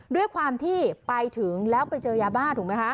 ด้วยความที่ไปถึงแล้วไปเจอยาบ้าถูกไหมคะ